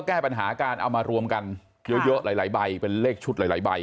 แก้ปัญหาการเอามารวมกันเยอะหลายใบเป็นเลขชุดหลายใบ